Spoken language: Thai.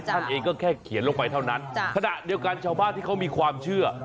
ท่านเองก็แค่เขียนลงไปเท่านั้นขณะเดียวกันชาวบ้านที่เขามีความเชื่อ